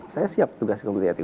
saya siap tugas komite etik